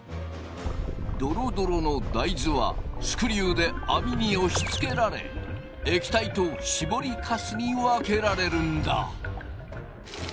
ドロドロの大豆はスクリューで網に押しつけられ液体としぼりかすに分けられるんだ。